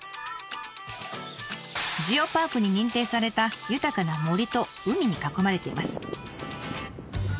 ジオパークに認定された豊かな森と海に囲まれています。